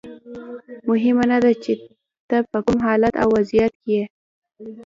مهمه نه ده چې ته په کوم حالت او وضعیت کې یې.